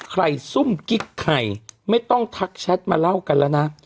ซุ่มกิ๊กไข่ไม่ต้องทักแชทมาเล่ากันแล้วนะ